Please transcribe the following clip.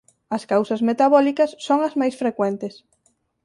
As causas metabólicas son as máis frecuentes.